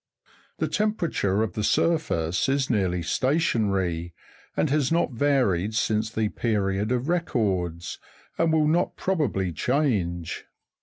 The temperature of the surface is nearly stationary, and has not varied since the period of records, and will not probably change.